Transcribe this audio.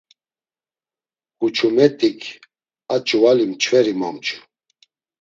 Huçumet̆ik a ç̌uvali mçveri momçu.